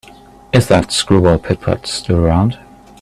Is that screwball Pit-Pat still around?